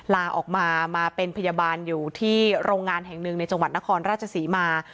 ลาออกมามาเป็นพยาบาลอยู่ที่โรงงานแห่งหนึ่งในจังหวัดนครราชศรีมา